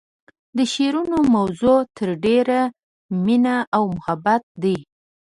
د شعرونو موضوع تر ډیره مینه او محبت دی